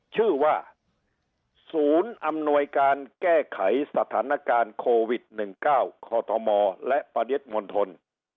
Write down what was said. ชื่อว่าศูนย์อำนวยการแก้ไขสถานการณ์โควิด๑๙คมและปริมณฑล